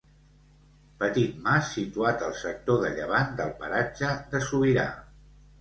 Petit mas situat al sector de llevant del paratge de Sobirà.